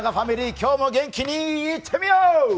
今日も元気に行ってみよう！